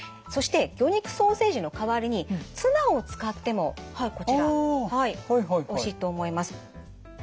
そして魚肉ソーセージの代わりにツナを使ってもはいこちらおいしいと思います。